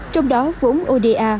trong đó vốn oda